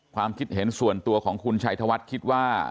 ความคิดเห็นส่วนตัวของคุณชัยธวัฒน์คิดว่า